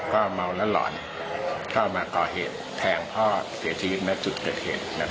ก็เมาแล้วหลอนเข้ามาก่อเหตุแทงพ่อเสียชีวิตณจุดเกิดเหตุ